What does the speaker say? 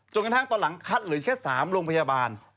กระทั่งตอนหลังคัดเหลือแค่๓โรงพยาบาล